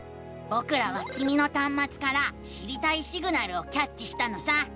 ぼくらはきみのたんまつから知りたいシグナルをキャッチしたのさ！